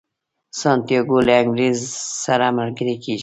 سانتیاګو له انګریز سره ملګری کیږي.